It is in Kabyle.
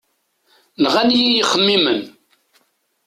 Nɣan-iyi yixemmimen.